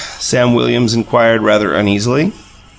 Sam Williams inquired rather uneasily.